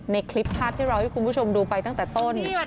ในคลิปภาพที่เราให้คุณผู้ชมดูไปตั้งแต่ต้น